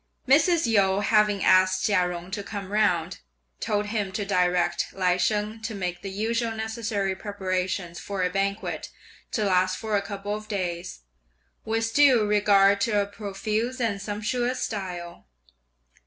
Mrs. Yu, having asked Chia Jung to come round, told him to direct Lai Sheng to make the usual necessary preparations for a banquet to last for a couple of days, with due regard to a profuse and sumptuous style.